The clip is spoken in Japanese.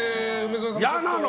嫌なの！